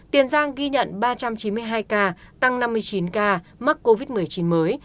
tiền giang ghi nhận ba trăm chín mươi hai ca tăng năm mươi chín ca mắc covid một mươi chín mới